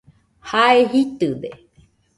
Jae jitɨde